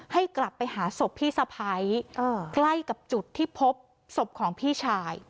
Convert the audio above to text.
ให้กลับไปหาศพพี่สะพ้ายใกล้กับจุดที่พบศพของพี่ชาย